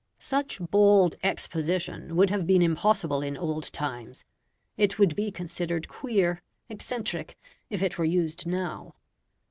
Such bald exposition would have been impossible in old times; it would be considered queer, eccentric, if it were used now.